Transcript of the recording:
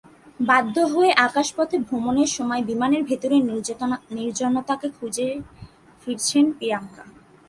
বাধ্য হয়ে আকাশপথে ভ্রমণের সময় বিমানের ভেতরেই নির্জনতাকে খুঁজে ফিরছেন প্রিয়াঙ্কা।